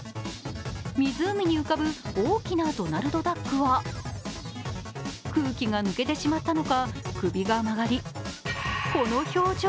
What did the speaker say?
湖に浮かぶ大きなドナルドダックは空気が抜けてしまったのか、首が曲がり、この表情。